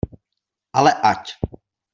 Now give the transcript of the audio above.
Ale ať!